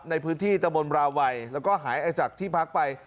ในพื้นที่ตะบนราวัยแล้วก็หายออกจากที่พักไป